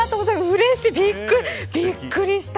うれしい、びっくりした。